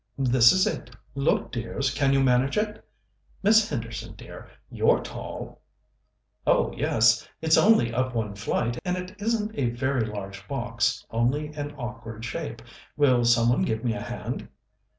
"This is it. Look, dears, can you manage it? Miss Henderson, dear, you're tall." "Oh, yes. It's only up one flight, and it isn't a very large box only an awkward shape. Will some one give me a hand?"